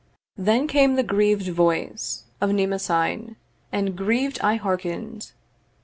Then came the griev'd voice of Mnemosyne, And griev'd I hearken'd.